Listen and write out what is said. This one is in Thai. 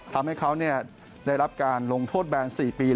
ทำให้เขาได้รับการลงโทษแบน๔ปี